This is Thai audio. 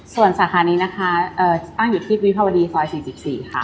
ส่วนสาขานี้นะคะตั้งอยู่ที่วิภาวดีซอย๔๔ค่ะ